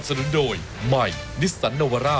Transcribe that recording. ชุวิตตีแสงหน้า